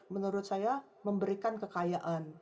menurut saya memberikan kekayaan